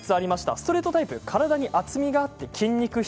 ストレートタイプは体に厚みがあって筋肉質。